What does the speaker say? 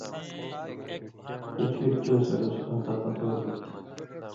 ݜُو ڇھیر چو سُرسوۡ آں طاقت ور ہُوئ تُھو۔